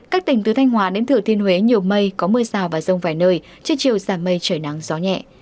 các tỉnh từ thanh hóa đến thừa thiên huế nhiều mây có mưa rào và rông vài nơi trước chiều giảm mây trời nắng gió nhẹ